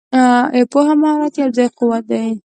پوهه او مهارت یو ځای قوت دی.